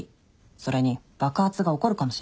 それに爆発が起こるかもしれないんだよ。